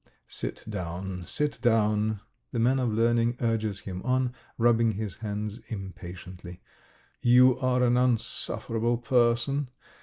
"Sit down, sit down," the man of learning urges him on, rubbing his hands impatiently. "You are an unsufferable person.